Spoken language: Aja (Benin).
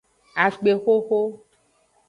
Akpexoxo.